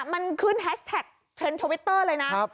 มันขึ้นแฮชแท็กเชิญทวิตเตอร์เลยนะครับ